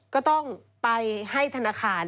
ก็ต้องไปให้ธนาคาร